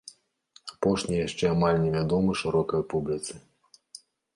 Апошні яшчэ амаль невядомы шырокай публіцы.